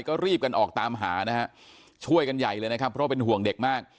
ก็รีบกันออกตามหานะฮะช่วยกันใหญ่เลยนะครับเพราะเป็นห่วงเด็กมาก